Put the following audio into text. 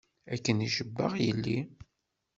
Akken i cebbaɣ yelli.